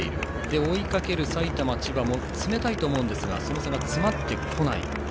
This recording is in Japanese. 追いかける埼玉、千葉も詰めたいと思うんですがその差が詰まってこない。